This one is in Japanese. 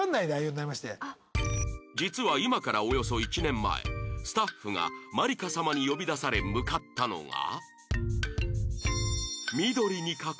実は今からおよそ１年前スタッフがまりか様に呼び出され向かったのが